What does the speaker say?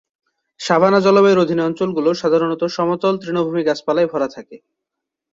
Savanna জলবায়ুর অধীনে অঞ্চলগুলো সাধারণত সমতল তৃণভূমি গাছপালায় ভরা থাকে।